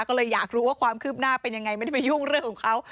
ก็เลยอยากรู้ว่าความคืบหน้าเป็นยังไงไม่ได้ไปยุ่งเรื่องของเขา